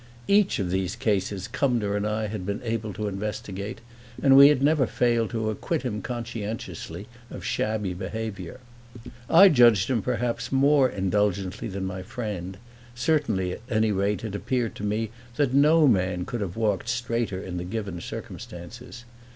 Each of these cases Cumnor and I had been able to investigate, and we had never failed to acquit him conscientiously of shabby behavior. I judged him perhaps more indulgently than my friend; certainly, at any rate, it appeared to me that no man could have walked straighter in the given circumstances.